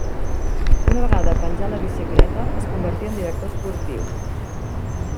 Una vegada penjà la bicicleta es convertí en director esportiu.